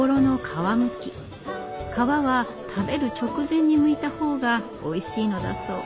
皮は食べる直前にむいた方がおいしいのだそう。